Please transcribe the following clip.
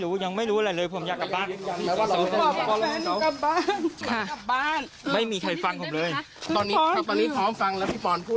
รู้ว่าอะไรพี่พี่อย่าพึ่งพูดอะไรได้ไหมเดี๋ยวพรุ่งนี้เดี๋ยวหนู